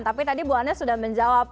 tapi tadi bu ane sudah menjawab